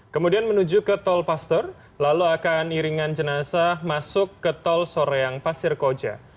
kemudian menuju ke tol paster lalu akan iringan jenazah masuk ke tol soreang pasir koja